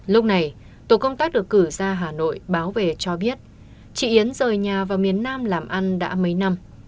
lúc này tổ công tác được cử ra hà nội báo về cho biết chị yến rời nhà vào miền nam làm ăn đã mấy năm